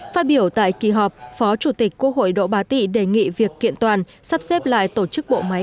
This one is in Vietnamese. phát biểu tại kỳ họp phó chủ tịch quốc hội đỗ bá tị đề nghị việc kiện toàn sắp xếp lại tổ chức bộ máy